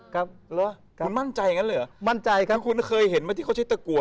ครับเหรอคุณมั่นใจอย่างนั้นเลยเหรอมั่นใจครับคุณเคยเห็นไหมที่เขาใช้ตะกรวด